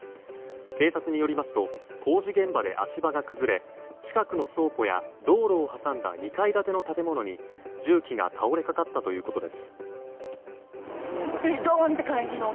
警察によりますと工事現場で足場が崩れ近くの倉庫や道路を挟んだ２階建ての建物に重機が倒れかかったということです。